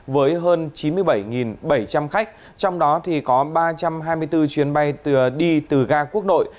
với hơn chín mươi bảy bảy trăm linh khách trong đó có ba trăm hai mươi bốn chuyến bay đi từ ga quốc nội